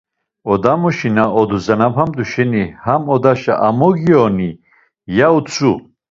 Odamuşi na oduzanapamt̆u şeni; Ham odaşa amogiyoni, ya utzu.